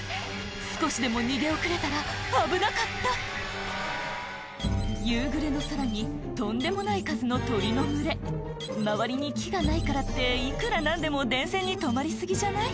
少しでも逃げ遅れたら危なかった夕暮れの空にとんでもない数の鳥の群れ周りに木がないからっていくら何でも電線に止まり過ぎじゃない？